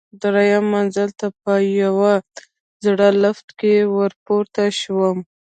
درېیم منزل ته په یوه زړه لفټ کې ورپورته شوم.